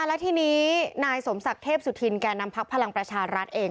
และทีนี้นายสมศักดิ์เทพสุธินแก่นำพักพลังประชารัฐเอง